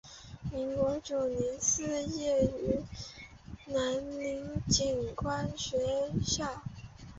民国九年肄业于金陵警官学校。